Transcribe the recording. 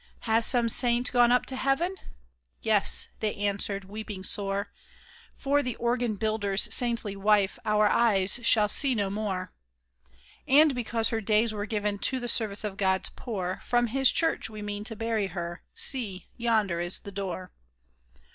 " Has some saint gone up to Heaven ?"" Yes," they an swered, weeping sore : "For the Organ Builder's saintly wife our eyes shall see no more ; THE LEGEND OF THE ORGAN BUILDER 1 89 " And because her days were given to the service of God's poor, From His church we mean to bury her. See ! yonder is the door."